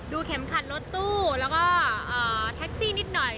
เข็มขัดรถตู้แล้วก็แท็กซี่นิดหน่อย